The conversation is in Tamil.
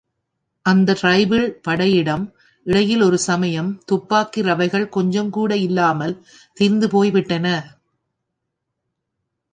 அந்த ரைபிள் படையிடம் இடையில் ஒரு சமயம், துப்பாக்கி ரவைகள் கொஞ்சம் கூட இல்லாமல் தீர்ந்துபோய்விட்டன.